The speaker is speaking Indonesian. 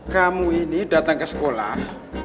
kamu ini datang ke sekolah